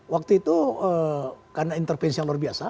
waktu itu karena intervensi yang luar biasa